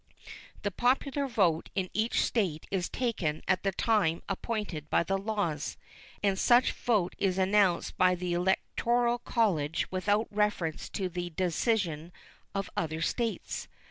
The popular vote in each State is taken at the time appointed by the laws, and such vote is announced by the electoral college without reference to the decision of other States.